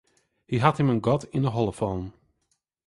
Hy hat him in gat yn 'e holle fallen.